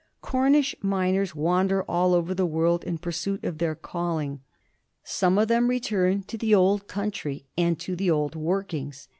Cornish miners wander all over the world in pur suit of their calling. Some of them return to the old country and to the old workings.